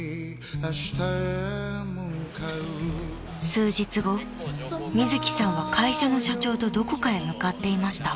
［数日後みずきさんは会社の社長とどこかへ向かっていました］